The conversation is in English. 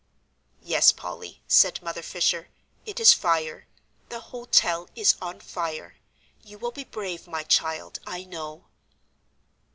"Yes, Polly," said Mother Fisher, "it is fire. The hotel is on fire; you will be brave, my child, I know."